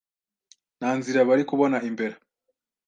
nta nzira bari kubona imbere.